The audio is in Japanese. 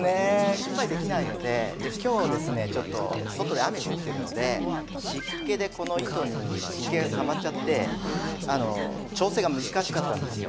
失敗できないので、きょうちょっと、外で雨降ってるので、湿気でこの糸に湿気がたまっちゃって、調整が難しかったんですよ。